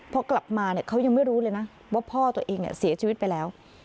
พอกลับมาเขายังไม่รู้เลยนะว่าพ่อตัวเองเสียชีวิตไปแล้ว